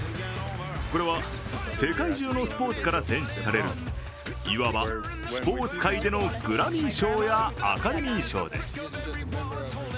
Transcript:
これは世界中のスポーツから選出されるいわばスポーツ界でのグラミー賞やアカデミー賞です。